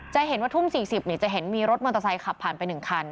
จะเห็นว่าทุ่ม๔๐จะเห็นมีรถมอเตอร์ไซค์ขับผ่านไป๑คัน